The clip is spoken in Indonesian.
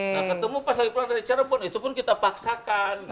nah ketemu pas lagi pulang dari cirebon itu pun kita paksakan